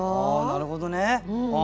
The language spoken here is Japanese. なるほどね。